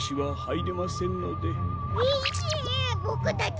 はい！